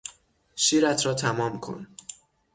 شیرت را تمام کن!